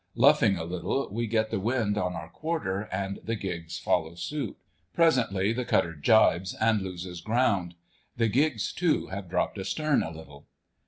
Luffing a little, we get the wind on our quarter, and the gigs follow suit. Presently the cutter gybes and loses ground; the gigs, too, have dropped astern a little.